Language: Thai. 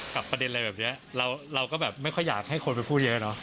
ประเด็นอะไรแบบนี้เราก็แบบไม่ค่อยอยากให้คนไปพูดเยอะเนอะ